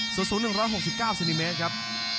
สูตรสูตร๑๖๙ซินิเมตรครับ